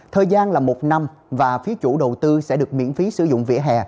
thời gian là một năm và phía chủ đầu tư sẽ được miễn phí sử dụng vỉa hè